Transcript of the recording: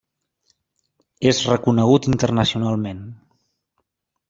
És reconegut internacionalment.